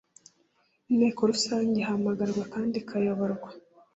inteko rusange ihamagarwa kandi ikayoborwa